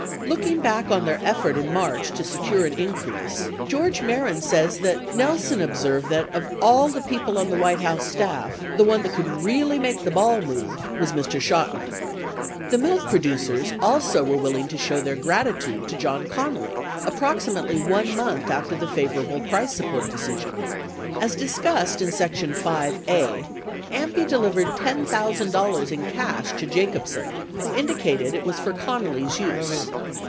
34 Looking back on their effort in March to secure an increase, George Mehren says that Nelson observed that .. of all the people on the White House staff, the one that could really make the ball move was Mr. Chotiner." 35 The milk producers also were willing to show their gratitude to J ohn Connally, approximately 1 month after the favorable price sup port decision. As discussed in section V.A., AMPI delivered $10,000 in cash to Jacobsen who indicated it was for Connally's use.